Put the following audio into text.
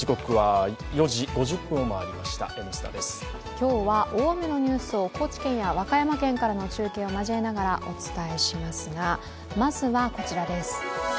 今日は大雨のニュースを高知県や和歌山県からの中継を交えながらお伝えしますが、まずはこちらです